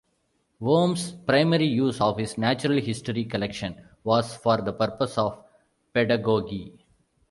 Worm's primary use of his natural history collection was for the purpose of pedagogy.